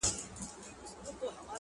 تـا كــړلــه خـــپـــره اشــــنـــــا.